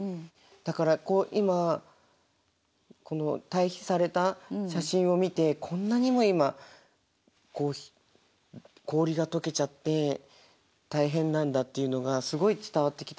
だからこう今対比された写真を見てこんなにも今氷が解けちゃって大変なんだっていうのがすごい伝わってきたので。